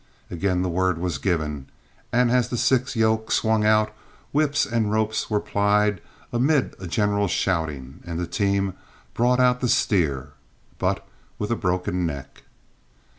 Again the word was given, and as the six yoke swung round, whips and ropes were plied amid a general shouting, and the team brought out the steer, but with a broken neck.